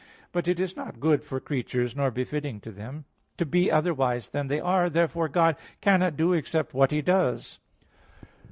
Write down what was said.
But it is not good for creatures nor befitting them to be otherwise than as they are. Therefore God cannot do except what He does.